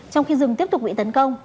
trong khi rừng tiếp tục bị tấn công